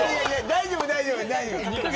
大丈夫、大丈夫。